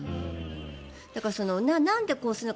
だからなんでこうするのか